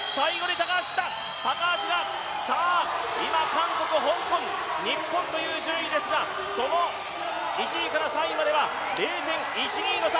韓国、香港、日本という順位ですがその１位から３位までは０．１２の差